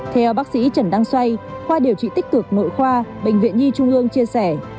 theo bác sĩ trần đăng xoay khoa điều trị tích cực nội khoa bệnh viện nhi trung ương chia sẻ